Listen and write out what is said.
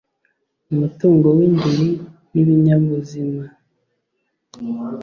umutungo w indiri y ibinyabuzima